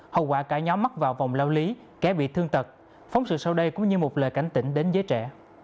hậu quả cả nhóm mắc vào vòng lao lý kẻ bị thương tật phóng sự sau đây cũng như một lời cảnh tỉnh đến giới trẻ